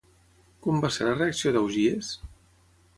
Com va ser la reacció d'Augies?